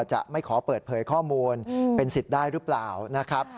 จะไม่ขอเปิดเผยข้อมูลเป็นสิทธิ์ได้หรือเปล่านะครับ